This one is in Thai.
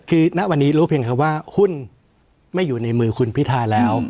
คือณวันนี้รู้เพียงคำว่าหุ้นไม่อยู่ในมือคุณพิทาแล้ว